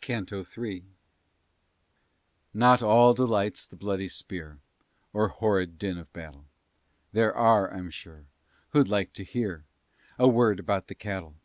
CANTO III Not all delights the bloody spear, Or horrid din of battle; There are, I'm sure, who'd like to hear A word about the cattle.